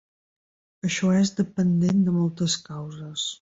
Això és dependent de moltes causes.